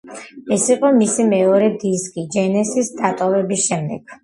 ეს იყო მისი მეორე დისკი ჯენესისის დატოვების შემდეგ.